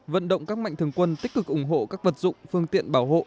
vận động các mạnh thường quân tích cực ủng hộ các vật dụng phương tiện bảo hộ